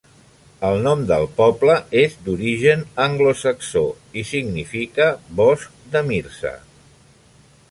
El nom del poble és d'origen anglosaxó i significa "bosc de Myrsa".